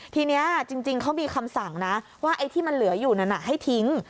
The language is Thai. ทีนี้จริงเขามีคำสั่งนะว่าไอ้ที่มันเหลืออยู่นั้นให้ทิ้ง